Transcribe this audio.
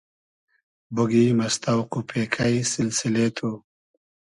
بوگیم از تۆق و پېکݷ سیلسیلې تو